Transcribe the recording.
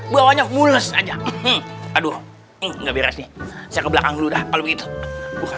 bawahnya mules aja aduh enggak beres nih saya ke belakang dulu dah kalau begitu buka